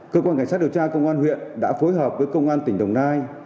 cơ quan cảnh sát điều tra công an huyện đã phối hợp với công an tỉnh đồng nai